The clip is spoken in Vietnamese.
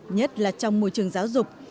nhất là trong môi trường giáo dục